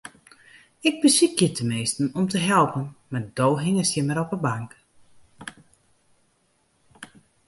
Ik besykje teminsten om te helpen, mar do hingest hjir mar op 'e bank.